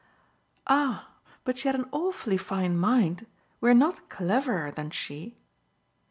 "Ah but she had an awfully fine mind. We're not cleverer than she."